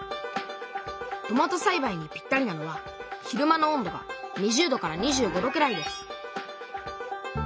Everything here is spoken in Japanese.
トマトさいばいにぴったりなのは昼間の温度が２０度から２５度くらいです